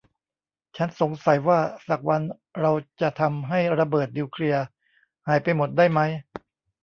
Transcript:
ฉันสงสัยว่าสักวันเราจะทำให้ระเบิดนิวเคลียร์หายไปหมดได้มั้ย